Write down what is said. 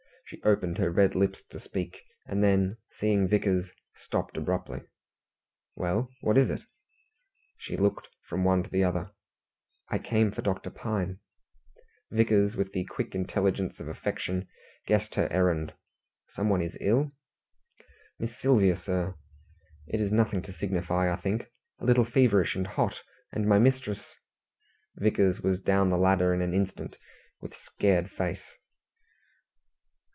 She opened her red lips to speak, and then, seeing Vickers, stopped abruptly. "Well, what is it?" She looked from one to the other. "I came for Dr. Pine." Vickers, with the quick intelligence of affection, guessed her errand. "Someone is ill?" "Miss Sylvia, sir. It is nothing to signify, I think. A little feverish and hot, and my mistress " Vickers was down the ladder in an instant, with scared face.